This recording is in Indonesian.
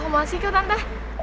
masih ke tante